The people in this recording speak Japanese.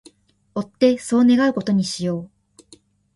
追ってそう願う事にしよう